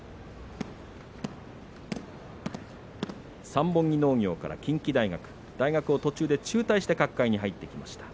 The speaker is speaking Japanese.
三本木農業から近畿大学大学を途中で中退して角界に入ってきました。